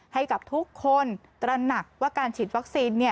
ให้กับทุกคนตระหนักว่าการฉีดวัคซีน